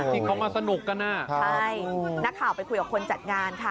ที่เขามาสนุกกันอ่ะใช่นักข่าวไปคุยกับคนจัดงานค่ะ